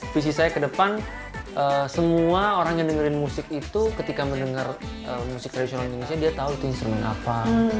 visi saya ke depan semua orang yang dengerin musik itu ketika mendengar musik tradisional indonesia dia tahu itu instrumen apa